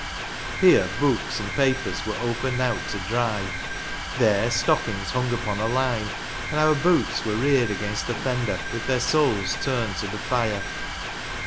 Here books and papers were opened out to dry. There stockings hung upon a line ; and our boots were reared against the fender, with their soles turned to the fire.